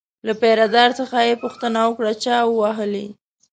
له پیره دار څخه یې پوښتنه وکړه چا ووهلی.